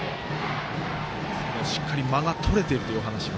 しっかり間がとれているというお話も。